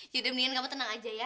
yaudah mendingan kamu tenang aja ya